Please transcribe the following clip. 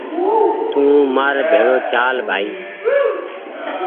تو مآر بهڙو چال بهائي